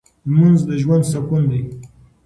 لمونځ د ژوند سکون دی.